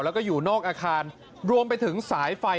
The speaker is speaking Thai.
แล้วก็อยู่นอกอาคารรวมไปถึงสายไฟ